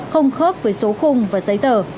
không khớp với số khung và giấy tờ